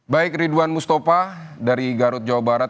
baik ridwan mustafa dari garut jawa barat